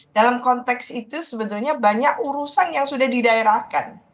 dalam konteks itu sebetulnya banyak urusan yang sudah didaerahkan